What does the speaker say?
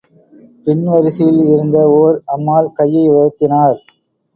பின் வரிசையில் இருந்த ஓர் அம்மாள் கையை உயர்த்தினார்.